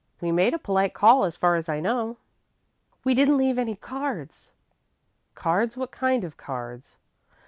We made a polite call as far as I know." "We didn't leave any cards." "Cards? What kind of cards?"